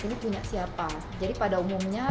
ini punya siapa jadi pada umumnya